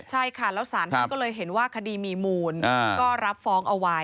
ใช่ค่ะแล้วสารท่านก็เลยเห็นว่าคดีมีมูลก็รับฟ้องเอาไว้